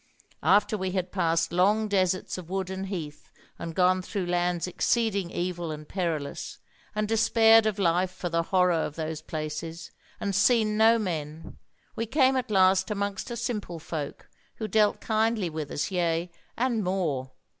After we had passed long deserts of wood and heath, and gone through lands exceeding evil and perilous, and despaired of life for the horror of those places, and seen no men, we came at last amongst a simple folk who dealt kindly with us, yea, and more.